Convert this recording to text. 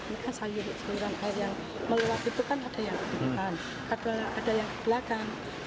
ini kan sayuran air yang meluap itu kan ada yang belakang